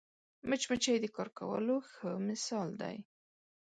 مچمچۍ د کار کولو ښه مثال دی